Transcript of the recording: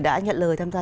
đã nhận lời tham gia